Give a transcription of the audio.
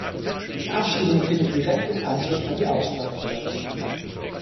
Die Abstimmung findet direkt im Anschluss an die Aussprache statt.